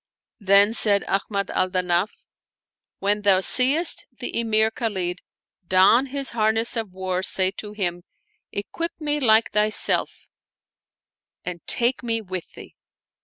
Then said Ahmad al Danaf, " When thou seest the Emir Khalid don his harness of war say to him : Equip me like thyself and take me with thee.